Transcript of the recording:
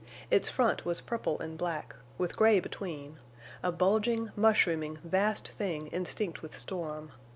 Its front was purple and black, with gray between, a bulging, mushrooming, vast thing instinct with storm.